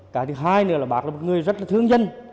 cái thứ hai nữa là bác là một người rất là thương dân